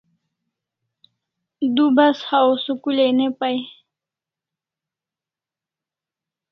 Du bas hawaw school ai ne pai